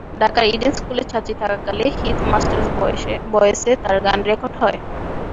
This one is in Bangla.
ঢাকার ইডেন স্কুলের ছাত্রী থাকাকালে হিজ মাস্টার্স ভয়েসে তাঁর গান রেকর্ড হয়।